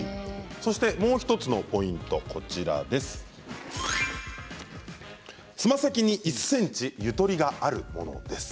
もう１つのポイントはつま先に１ｃｍゆとりがあるものです。